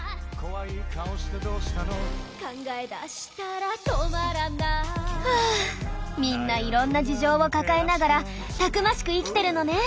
どこ行った？はあみんないろんな事情を抱えながらたくましく生きてるのねえ。